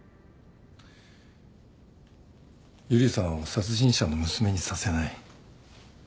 由梨さんを殺人者の娘にさせない。